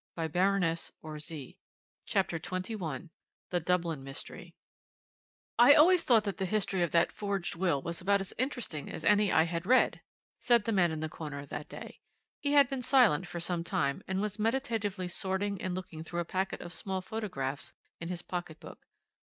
CHAPTER XXI THE DUBLIN MYSTERY "I always thought that the history of that forged will was about as interesting as any I had read," said the man in the corner that day. He had been silent for some time, and was meditatively sorting and looking through a packet of small photographs in his pocket book.